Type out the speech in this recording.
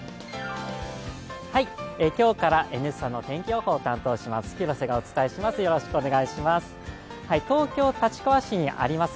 今日から「Ｎスタ」の天気予報を担当します広瀬です。